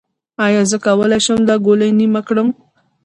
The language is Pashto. ایا زه کولی شم دا ګولۍ نیمه کړم؟